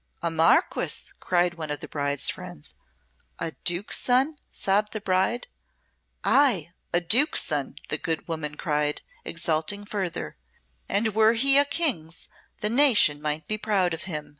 "A Marquess!" cried one of the bride's friends. "A Duke's son!" sobbed the bride. "Ay, a Duke's son!" the good woman cried, exulting further. "And were he a King's, the nation might be proud of him.